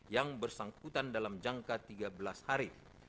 yang bersangkutan dalam jangka tiga belas hari